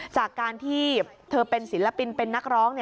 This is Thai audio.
จากการที่เธอเป็นศิลปินเป็นนักร้อง